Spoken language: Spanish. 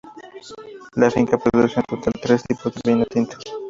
La finca produce en total tres tipos de vino tinto.